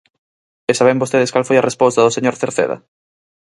¿E saben vostedes cal foi a resposta do señor Cerceda?